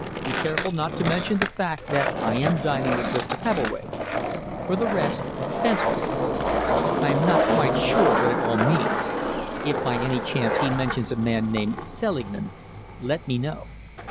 Be careful not to mention the fact that I am dining with Mr. Hebblethwaite. For the rest, fence with him. I am not quite sure what it all means. If by any chance he mentions a man named Selingman, let me know.